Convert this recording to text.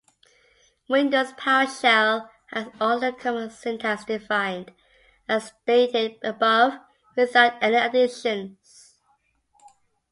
Windows PowerShell has all the common syntax defined as stated above without any additions.